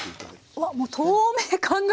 うわっもう透明感が。